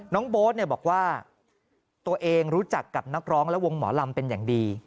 โบ๊ทบอกว่าตัวเองรู้จักกับนักร้องและวงหมอลำเป็นอย่างดี